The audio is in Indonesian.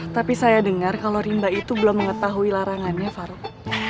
tapi saya dengar kalau rimba itu belum mengetahui larangannya farouk